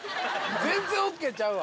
全然ＯＫちゃうわ。